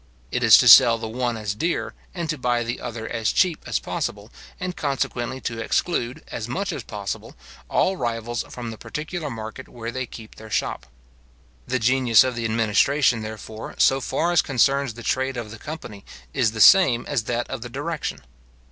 It is to sell the one as dear, and to buy the other as cheap as possible, and consequently to exclude, as much as possible, all rivals from the particular market where they keep their shop. The genius of the administration, therefore, so far as concerns the trade of the company, is the same as that of the direction.